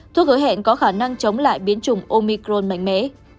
chẳng hạn có khả năng chống lại biến chủng omicron mạnh mẽ